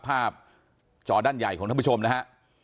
จอด้านใหญ่ของท่านผู้ชมนะฮะ